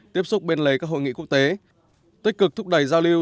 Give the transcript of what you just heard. tiếp xúc bên lề các hội nghị quốc tế tích cực thúc đẩy giao lưu